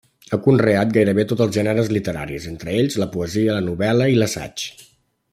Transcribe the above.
Ha conreat gairebé tots els gèneres literaris, entre ells, la poesia, la novel·la i l'assaig.